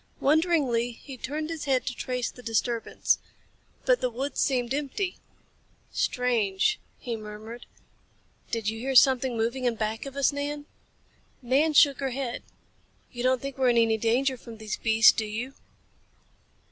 Wonderingly, he turned his head to trace the disturbance. But the woods seemed empty. "Strange," he murmured. "Did you hear something moving in back of us, Nan?" Nan shook her head. "You don't think we're in any danger from these beasts, do you?"